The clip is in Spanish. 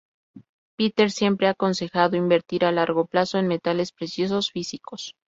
Peter siempre ha aconsejado invertir a largo plazo en metales preciosos físicos.